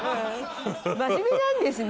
真面目なんですね。